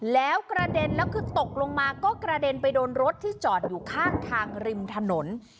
แล้วกระเด็นแล้วคือตกลงมาก็กระเด็นไปโดนรถที่จอดอยู่ข้างทางริมถนน